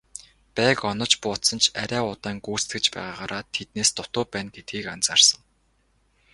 Байг онож буудсан ч арай удаан гүйцэтгэж байгаагаараа тэднээс дутуу байна гэдгийг анзаарсан.